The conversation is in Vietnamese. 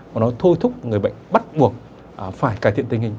và nó thôi thúc người bệnh bắt buộc phải cải thiện tình hình